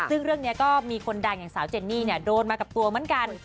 ซึ่งเรื่องนี้ก็มีคนดังอย่างสาวเจนนี่โดนมากับตัวเหมือนกัน